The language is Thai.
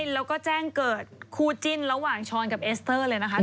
แล้วก็แจ้งเกิดคู่จิ้นระหว่างช้อนกับเอสเตอร์เลยนะคะ